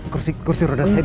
kursi roda saya dimana